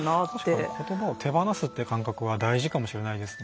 確かに言葉を手放すって感覚は大事かもしれないですね。